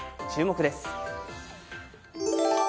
注目です。